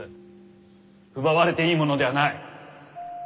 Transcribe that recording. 奪われていいものではない。